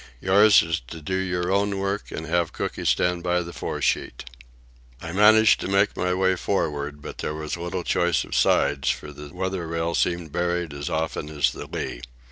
Yours is to do your own work and to have Cooky stand by the fore sheet." I managed to make my way forward, but there was little choice of sides, for the weather rail seemed buried as often as the lee.